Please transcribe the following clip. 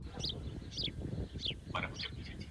شاه اسماعیل په کم عمر کې د تبریز ښار ونیوه.